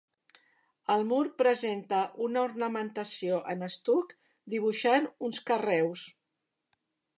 El mur presenta una ornamentació en estuc dibuixant uns carreus.